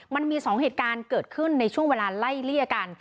มันมี๒เหตุการณ์เกิดขึ้นในช่วงเวลาไล่เลี่ยกัน